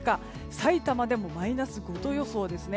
さいたまでもマイナス５度予想ですね。